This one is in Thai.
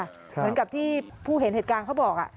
เหมือนกับที่ผู้เห็นเหตุการณ์เขาบอก